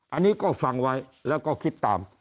อันนี้ก็ฟังไว้แล้วก็คิดตาม